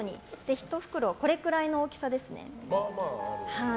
１袋はこれくらいの大きさです。